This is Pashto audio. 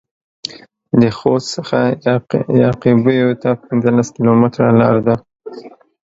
د خوست څخه يعقوبيو ته پنځلس کيلومتره لار ده.